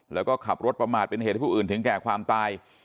แล้วก็ขับรถประมาทเป็นเหตุให้ผู้อื่นถึงแก่ความตาย